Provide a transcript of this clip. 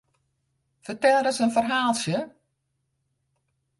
Fertel ris in ferhaaltsje?